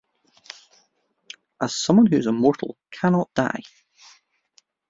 As someone who is immortal cannot die.